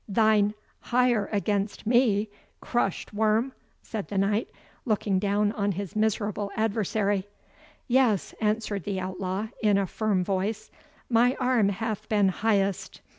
"Thine higher against me! Crushed worm!" said the Knight, looking down on his miserable adversary. "Yes," answered the outlaw, in a firm voice, "my arm hath been highest.